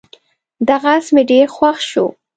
دغه اس مې ډېر خوښ شو.